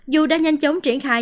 dù đã nhanh chóng triển thai